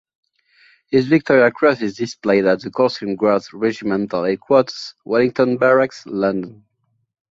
His Victoria Cross is displayed at The Coldstream Guards Regimental Headquarters, Wellington Barracks, London.